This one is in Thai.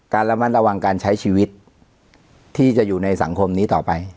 ระมัดระวังการใช้ชีวิตที่จะอยู่ในสังคมนี้ต่อไป